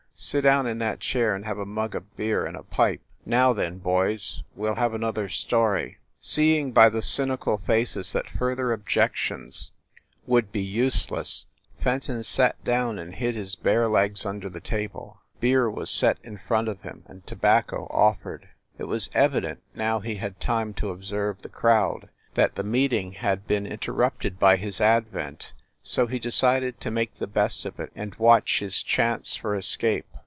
Sit down in that chair and have a mug of beer and a pipe. Now then, boys, we ll have another story." Seeing by the cynical faces that further objections 58 FIND THE WOMAN would be useless, Fenton sat down and hid his bare legs under the table. Beer was set in front of him, and tobacco offered. It was evident, now he had time to observe the crowd, that the meeting had been interrupted by his advent, so he decided to make the best of it and watch his chance for escape.